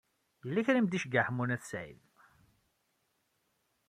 Yella kra i m-d-iceyyeɛ Ḥemmu n At Sɛid.